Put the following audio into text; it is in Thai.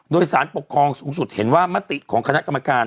โดยสารปกครองสูงสุดเห็นว่ามติของคณะกรรมการ